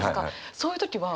そういう時は？